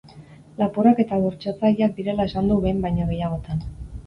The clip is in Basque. Lapurrak eta bortxatzaileak direla esan du behin baina gehiagotan.